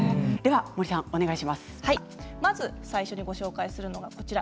はいまず最初にご紹介するのがこちら。